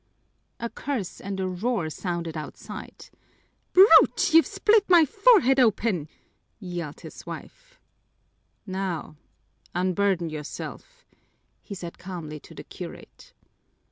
A curse and a roar sounded outside. "Brute, you've split my forehead open!" yelled his wife. "Now, unburden yourself," he said calmly to the curate.